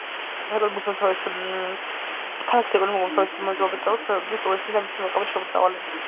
ქალაქის ეკონომიკის უმთავრეს მამოძრავებელ წყაროს წარმოადგენს ტურიზმი და მისგან მიღებული შემოსავალი.